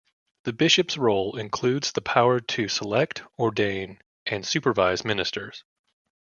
The bishop's role includes the power to select, ordain, and supervise ministers.